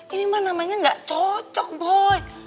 ini mah namanya gak cocok boy